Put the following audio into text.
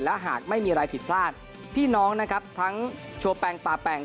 และหากไม่มีอะไรผิดพลาดพี่น้องนะครับทั้งชัวแปงป่าแปง